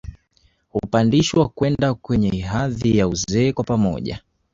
Hupandishwa kwenda kwenye hadhi ya uzee kwa pamoja